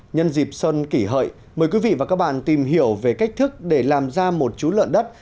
nhân dịp xuân kỷ hợi mời quý vị và các bạn tìm hiểu về cách thức để làm ra một chú lợn đất